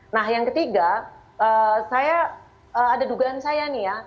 nah yang ketiga saya ada dugaan saya nih ya